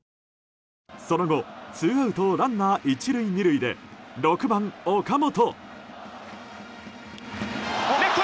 その後、ツーアウトランナー１塁２塁で６番、岡本。